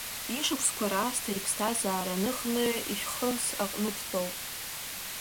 Ишықәсқәа раасҭа иԥсҭазаара ныхны, ишәхымс аҟны дтәоуп.